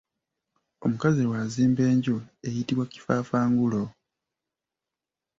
Omukazi bwazimba enju eyitibwa kifaafangulo.